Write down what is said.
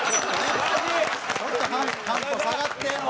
ちょっと半歩下がっての。